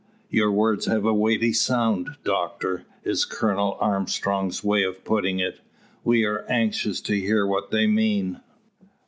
"Your words have a weighty sound, doctor," is Colonel Armstrong's way of putting it. "We are anxious to hear what they mean."